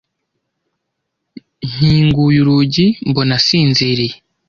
Nkinguye urugi, mbona asinziriye.